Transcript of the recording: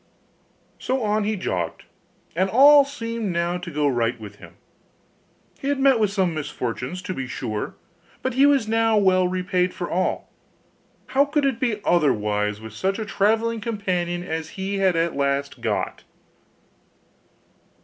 So on he jogged, and all seemed now to go right with him: he had met with some misfortunes, to be sure; but he was now well repaid for all. How could it be otherwise with such a travelling companion as he had at last got?